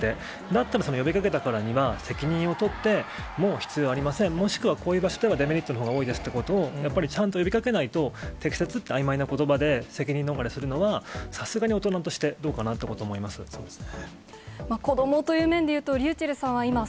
だったら、呼びかけたからには、責任を取って、もう必要ありません、もしくは、こういう場所ではデメリットのほうが多いですってことを、やっぱりちゃんと呼びかけないと、適切ってあいまいなことばで責任逃れするのは、さすがに大人としてどうかなと思います。